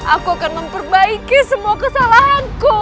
aku akan memperbaiki semua kesalahanku